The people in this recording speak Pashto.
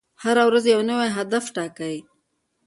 هره ورځ یو نوی هدف ټاکئ.